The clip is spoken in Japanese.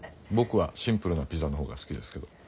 僕はシンプルなピザの方が好きですけど。